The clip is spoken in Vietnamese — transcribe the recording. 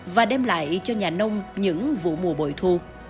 và đem lại cho nhà nông những vụ mùa bội thu